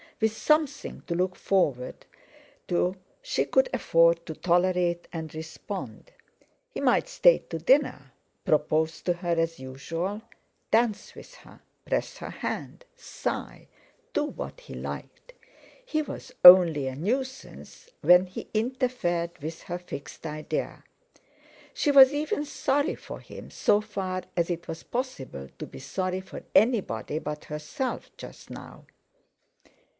With something to look forward to she could afford to tolerate and respond. He might stay to dinner; propose to her as usual; dance with her, press her hand, sigh—do what he liked. He was only a nuisance when he interfered with her fixed idea. She was even sorry for him so far as it was possible to be sorry for anybody but herself just now.